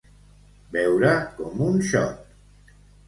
Beure com un xot.